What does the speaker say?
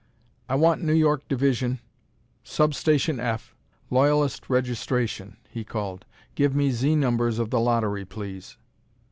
"I want New York Division, Sub station F, Loyalist Registration," he called. "Give me Z numbers of the lottery, please."